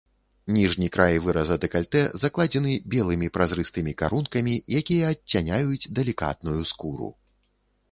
Ніжні край выраза дэкальтэ закладзены белымі празрыстымі карункамі, якія адцяняюць далікатную скуру.